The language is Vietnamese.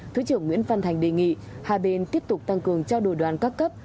thứ trưởng nguyễn văn thành đề nghị hai bên tiếp tục tăng cường trao đổi đoàn các cấp